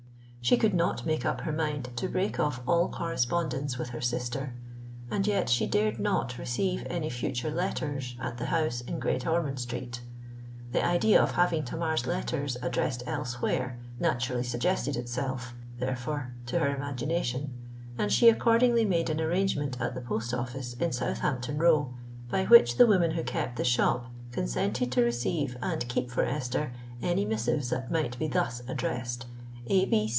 She could not make up her mind to break off all correspondence with her sister; and yet she dared not receive any future letters at the house in Great Ormond Street. The idea of having Tamar's letters addressed elsewhere, naturally suggested itself, therefore, to her imagination; and she accordingly made an arrangement at the post office in Southampton Row, by which the woman who kept the shop consented to receive and keep for Esther any missives that might be thus addressed:—"_A.